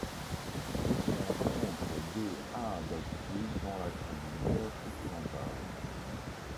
Elle se rencontre de à d'altitude dans la cordillère Occidentale.